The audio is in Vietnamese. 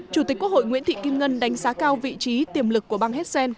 chủ tịch quốc hội nguyễn thị kim ngân đánh giá cao vị trí tiềm lực của bang hessen